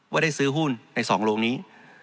ว่าได้ซื้อหุ้นใน๒โรงนี้